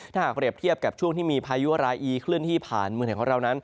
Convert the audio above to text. ถ้าหากเรียบเทียบกับช่วงที่มีพายุรายอีเคลื่อนที่ผ่านเมืองไทยของเรานั้น